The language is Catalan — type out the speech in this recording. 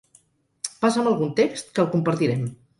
Passa'm algun text, que el compartirem.